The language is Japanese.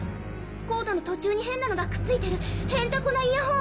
コードの途中に変なのがくっついてるヘンテコなイヤホン。